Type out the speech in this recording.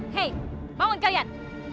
hei bangun kalian